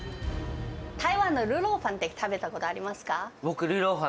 台湾のルーロー飯って食べたことありますか？